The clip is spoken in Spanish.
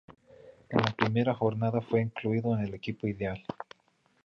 En la primera jornada fue incluido en el equipo ideal.